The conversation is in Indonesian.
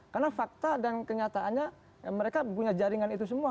karena fakta dan kenyataannya mereka punya jaringan itu semua